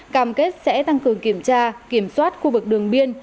cam kết sẽ tăng cường kiểm tra kiểm soát khu vực đường biên